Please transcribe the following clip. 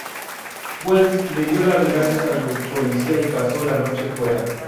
Welles dio las gracias al policía y pasó la noche fuera.